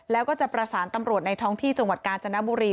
แล้วก็จะประสานตำรวจในท้องที่จังหวัดกาญจนบุรี